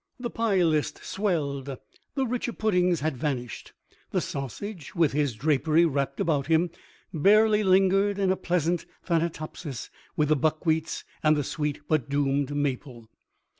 The pie list swelled; the richer puddings had vanished; the sausage, with his drapery wrapped about him, barely lingered in a pleasant thanatopsis with the buckwheats and the sweet but doomed maple.